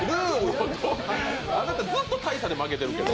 あなたずっと大差で負けてるけど。